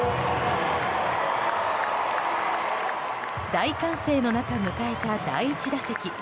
大歓声の中、迎えた第１打席。